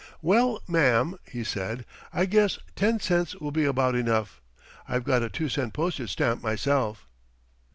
"Well, ma'am," he said, "I guess ten cents will be about enough. I've got a two cent postage stamp myself."